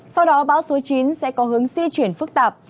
sau đó bão số chín sẽ có hướng di chuyển phức tạp